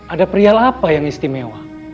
ada perial apa yang istimewa